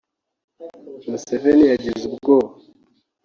Museveni yagize ubwoba